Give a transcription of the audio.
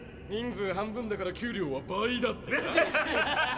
人数半分だから給料は倍だってか。